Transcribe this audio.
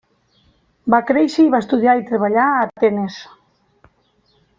Va créixer i va estudiar i treballar a Atenes.